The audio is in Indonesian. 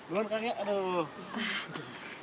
luan kang ya aduh